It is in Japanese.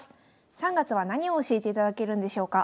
３月は何を教えていただけるんでしょうか？